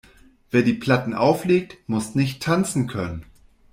Wer die Platten auflegt, muss nicht tanzen können.